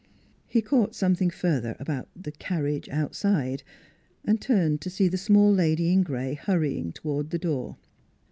He caught something further about " the car riage outside," and turned to see the small lady in gray hurrying toward the door.